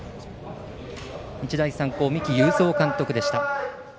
日大三高、三木有造監督でした。